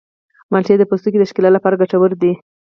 مالټې د پوستکي د ښکلا لپاره ګټورې دي.